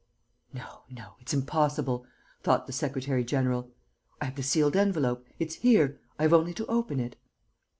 "No, no, it's impossible," thought the secretary general. "I have the sealed envelope.... It's here.... I have only to open it."